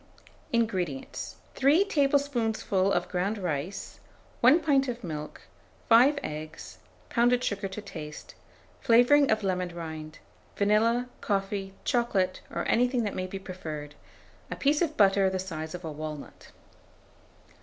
1480. INGREDIENTS. 3 tablespoonfuls of ground rice, 1 pint of milk, 5 eggs, pounded sugar to taste, flavouring of lemon rind, vanilla, coffee, chocolate, or anything that may be preferred, a piece of butter the size of a walnut.